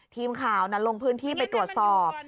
ทีมข่าวนั้นลงพื้นที่ไปตรวจสอบ